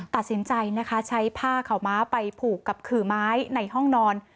ตัดสินใจนะคะใช้ผ้าขาวม้าไปผูกกับขื่อไม้ในห้องนอน